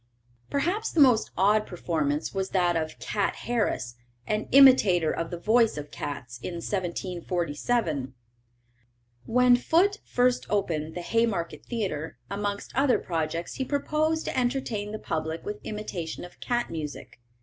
Perhaps the most odd performance was that of "Cat Harris," an imitator of the voice of cats in 1747. "When Foote first opened the Haymarket Theatre, amongst other projects he proposed to entertain the public with imitation of cat music.